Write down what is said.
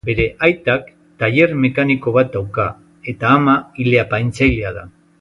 Bere aitak tailer mekaniko bat dauka, eta ama ile-apaintzailea da.